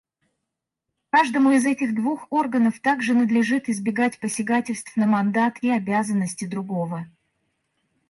Каждому из этих двух органов также надлежит избегать посягательств на мандат и обязанности другого.